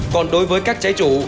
còn đối với các trái chủ